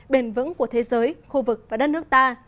bền vững của thế giới khu vực và đất nước ta